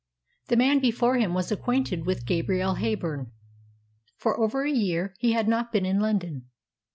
The man before him was acquainted with Gabrielle Heyburn! For over a year he had not been in London.